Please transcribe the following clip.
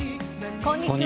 こんにちは。